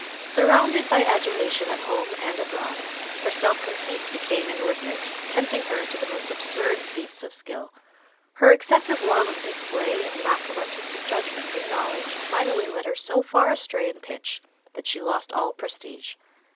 Surrounded by adulation at home and abroad, her self conceit became inordinate, tempting her to the most absurd feats of skill. Her excessive love of display and lack of artistic judgment and knowledge finally led her so far astray in pitch that she lost all prestige.